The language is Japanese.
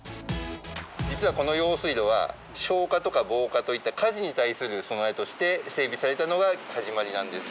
実はこの用水路は消火とか防火といった火事に対する備えとして整備されたのが始まりなんです。